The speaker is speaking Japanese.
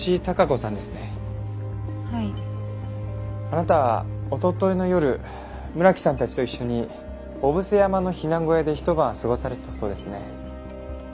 あなたおとといの夜村木さんたちと一緒に御伏山の避難小屋でひと晩過ごされたそうですね。